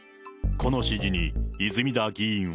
この指示に泉田議員は。